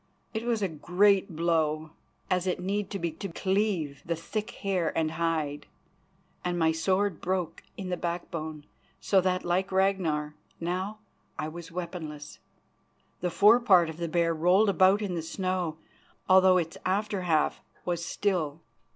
It was a great blow, as it need to be to cleave the thick hair and hide, and my sword broke in the backbone, so that, like Ragnar, now I was weaponless. The forepart of the bear rolled about in the snow, although its after half was still.